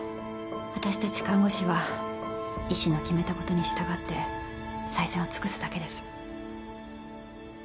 私たち看護師は医師の決めたことに従って最善を尽くすだけです。